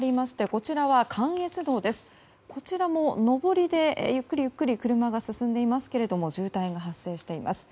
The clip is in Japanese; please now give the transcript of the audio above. こちらも上りでゆっくりゆっくり車が進んでいますけれども渋滞が発生しています。